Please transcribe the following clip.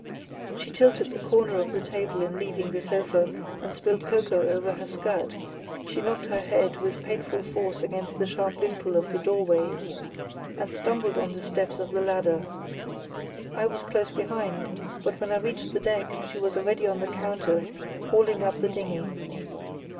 She tilted the corner of the table in leaving the sofa and spilt cocoa over her skirt; she knocked her head with painful force against the sharp lintel of the doorway, and stumbled on the steps of the ladder. I was close behind, but when I reached the deck she was already on the counter hauling up the dinghy.